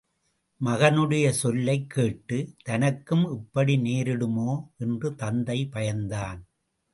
மகனுடைய சொல்லைக் கேட்டு, தனக்கும் இப்படி நேரிடுமோ என்று தந்தை பயந்தான்.